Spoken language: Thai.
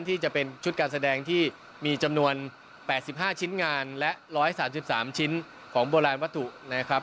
ที่จะเป็นชุดการแสดงที่มีจำนวน๘๕ชิ้นงานและ๑๓๓ชิ้นของโบราณวัตถุนะครับ